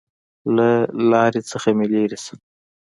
له لارې څخه مې لېرې شه!